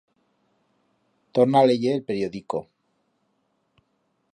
Torna a leyer el periodico.